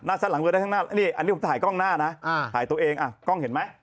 หน้าชัดหลังเบอร์ได้ทั้งหน้าอันนี้ผมถ่ายกล้องหน้านะถ่ายตัวเองอ่ะกล้องเห็นมั้ย